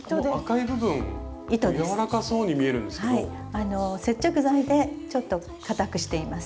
あの接着剤でちょっと硬くしています。